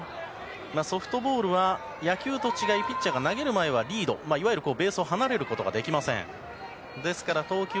ソフトボールは野球と違いピッチャーが投げる前は、リードいわゆるベースを離れることができません。